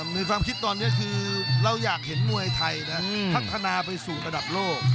ในความคิดตอนนี้คือเราอยากเห็นมวยไทยนะพัฒนาไปสู่ระดับโลก